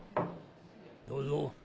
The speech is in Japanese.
どうぞ。